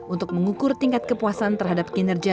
untuk mengukur tingkat kepuasan terhadap kinerja